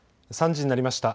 ３時になりました。